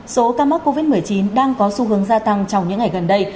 số ca mắc covid một mươi chín đang có xu hướng gia tăng trong những ngày gần đây